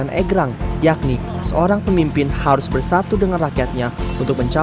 ya dengan usaha yang seperti ini mungkin berusaha kan menyetujui ya